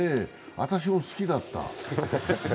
私も好きだったんです。